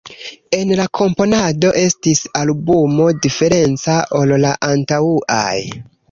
En la komponado estis albumo diferenca ol la antaŭaj.